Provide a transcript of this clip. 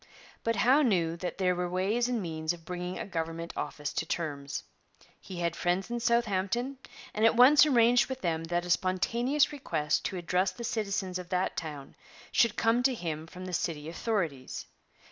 But Howe knew that there were ways and means of bringing a government office to terms. He had friends in Southampton, and at once arranged with them that a spontaneous request to address the citizens of that town should come to him from the city authorities.